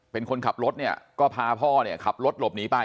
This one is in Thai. เป็นคนขับรถก็พาพ่อขับรถหลบหนีไป